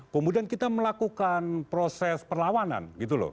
kemudian kita melakukan proses perlawanan